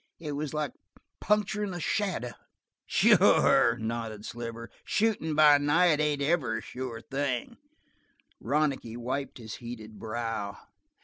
It was like puncturin' a shadow!" "Sure," nodded Sliver. "Shootin' by night ain't ever a sure thing." Ronicky wiped his heated brow.